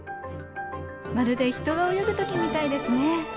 まるで人が泳ぐ時みたいですね。